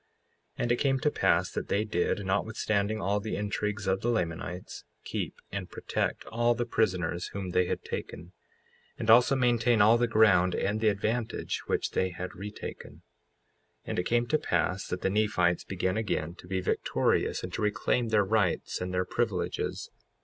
55:27 And it came to pass that they did, notwithstanding all the intrigues of the Lamanites, keep and protect all the prisoners whom they had taken, and also maintain all the ground and the advantage which they had retaken. 55:28 And it came to pass that the Nephites began again to be victorious, and to reclaim their rights and their privileges.